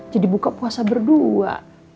jadi buka puasa berdua